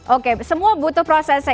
oke semua butuh prosesnya